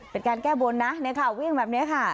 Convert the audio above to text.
เป็นการแก้บนนะวิ่งแบบนี้ค่ะ